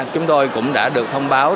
chúng tôi cũng đã được thông báo